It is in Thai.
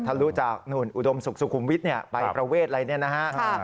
ทะลุจากอุดมสุขุมวิทย์ไปประเวทอะไรแบบนี้นะครับ